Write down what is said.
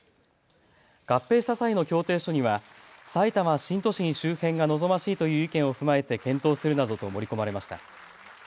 合併した際の協定書にはさいたま新都心周辺が望ましいという意見をふまえて検討するなどと盛り込まれました。